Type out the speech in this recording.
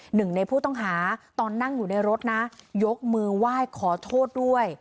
หนึ่งในผู้ต้องหาตอนนั่งอยู่ในรถนะยกมือไหว้ขอโทษด้วย